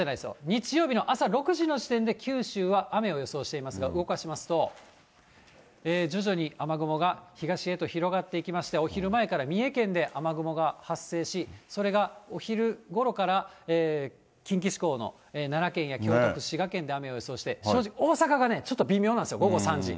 日曜日の朝６時の時点で、九州は雨を予想していますが、動かしますと、徐々に雨雲が東へと広がっていきまして、お昼前から三重県で雨雲が発生し、それがお昼ごろから、近畿地方の奈良県や京都府、滋賀県で雨を予想して、正直、大阪がね、ちょっと微妙なんですよ、午後３時。